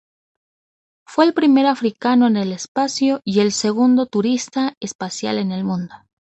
Fue el primer africano en el espacio y el segundo turista espacial del mundo.